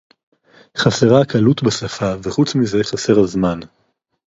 חסרה הקלות בשפה וחוץ מזה חסר הזמן.